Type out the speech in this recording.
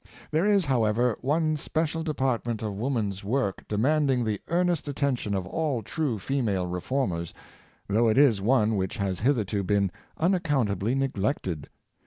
There is, however, one special department of wom an's work demanding the earnest attention of all true female reformers, though it is one which has hitherto been unaccountably neglected.